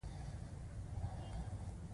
پاچا صاحب ګلداد خان ته مخ ور واړاوه.